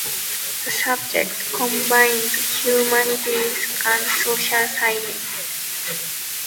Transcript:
The subject combines humanities and social sciences.